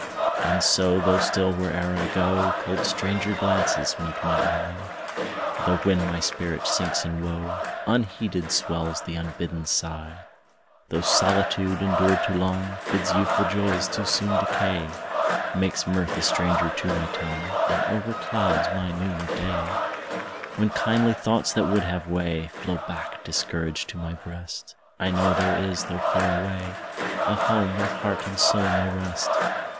And so, though still, where'er I go, Cold stranger glances meet my eye; Though, when my spirit sinks in woe, Unheeded swells the unbidden sigh; Though solitude, endured too long, Bids youthful joys too soon decay, Makes mirth a stranger to my tongue, And overclouds my noon of day; When kindly thoughts that would have way, Flow back discouraged to my breast; I know there is, though far away, A home where heart and soul may rest.